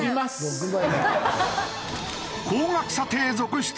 高額査定続出！？